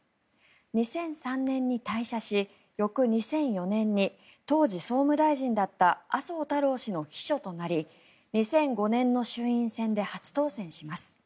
２００３年に退社し翌２００４年に当時総務大臣だった麻生太郎氏の秘書となり２００５年の衆院選で初当選します。